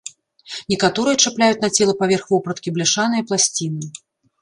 Некаторыя чапляюць на цела паверх вопраткі бляшаныя пласціны.